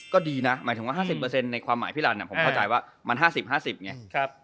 ก็ดีนะหมายถึงว่า๕๐ในความหมายพี่รันผมเข้าใจว่ามัน๕๐๕๐ไง